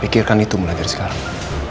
pikirkan itu mulai dari sekarang